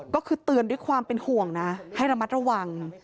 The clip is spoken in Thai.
ก็คือเตือนด้วยความเป็นห่วงนะให้ระมัดระวัง